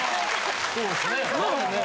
そうですね。なあ？